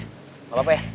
gak apa apa ya